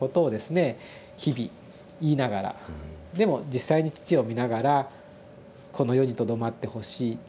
日々言いながらでも実際に父を見ながらこの世にとどまってほしい。